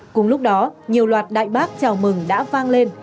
cùng lúc đó nhiều loạt đại bác chào mừng đã vang lên